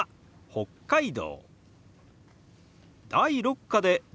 「北海道」。